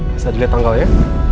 bisa dilihat tanggal ya